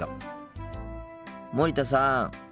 森田さん。